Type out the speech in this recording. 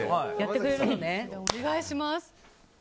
お願いします。